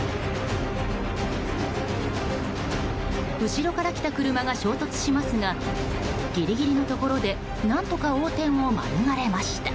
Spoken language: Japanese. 後ろから来た車が衝突しますがギリギリのところで何とか横転を免れました。